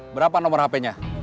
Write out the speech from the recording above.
berapa nomor hp nya